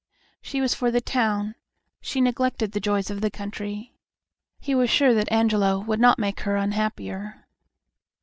She was for the town; she neglected the joys of the country. He was sure that Angelo would not make her unhappier.